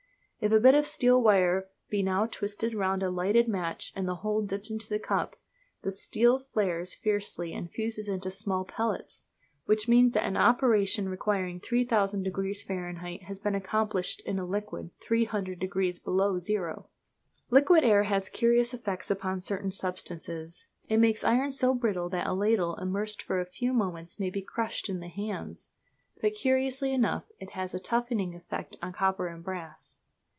If a bit of steel wire be now twisted round a lighted match and the whole dipped into the cup, the steel flares fiercely and fuses into small pellets; which means that an operation requiring 3000 degrees Fahrenheit has been accomplished in a liquid 300 degrees below zero! Liquid air has curious effects upon certain substances. It makes iron so brittle that a ladle immersed for a few moments may be crushed in the hands; but, curiously enough, it has a toughening effect on copper and brass.